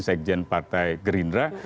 sekjen partai gerindra